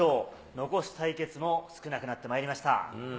残す対決も少なくなってまいりました。